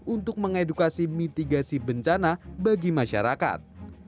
untuk mengedukasi mitigasi bencana bagi masyarakat